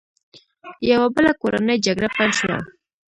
یوه بله کورنۍ جګړه پیل شوه.